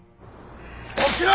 起きろ！